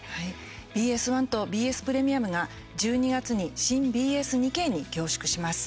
ＢＳ１とＢＳプレミアムが１２月に新ＢＳ２Ｋに凝縮します。